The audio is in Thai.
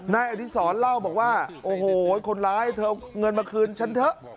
นายอดีศรเล่าบอกว่าโอ้โหคนร้ายเธอเงินมาคืนฉันเถอะ